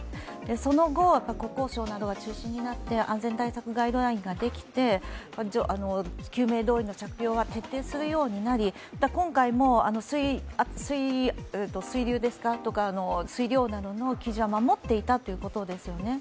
その後、国交省などが中心になって安全対策ガイドラインができて救命胴衣の着用を徹底するようになり、また今回も水流とか水量などの基準は守っていたということですよね。